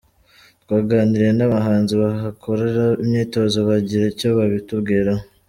Twaganiriye n’abahanzi bahakorera imyitozo bagira icyo babitubwiraho.